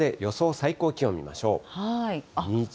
最高気温見ましょう。